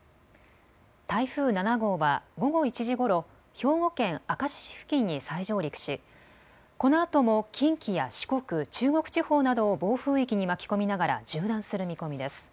台風７号は午後１時ごろ、兵庫県明石市付近に再上陸しこのあとも近畿や四国、中国地方などを暴風域に巻き込みながら縦断する見込みです。